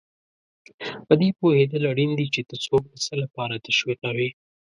په دې پوهېدل اړین دي چې ته څوک د څه لپاره تشویقوې.